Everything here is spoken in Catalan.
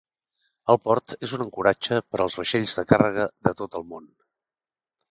El port és un ancoratge per als vaixells de càrrega de tot el món.